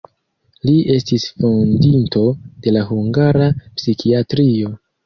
Li estis fondinto de la hungara psikiatrio.